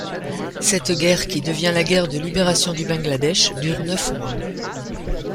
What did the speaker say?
Cette guerre, qui devient la guerre de libération du Bangladesh, dure neuf mois.